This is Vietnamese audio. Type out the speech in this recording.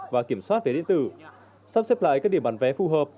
chủng soát vé điện tử sắp xếp lại các điểm bán vé phù hợp